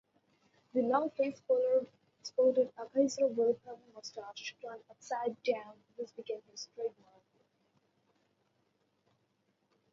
The long-faced Pollard sported a Kaiser Wilhelm mustache turned upside-down; this became his trademark.